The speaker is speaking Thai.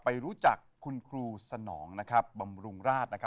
ไปรู้จักคุณครูสนองบำรุงราช